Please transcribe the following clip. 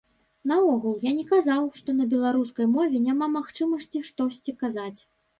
Наогул, я не казаў, што на беларускай мове няма магчымасці штосьці казаць.